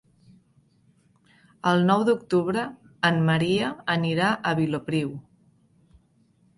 El nou d'octubre en Maria anirà a Vilopriu.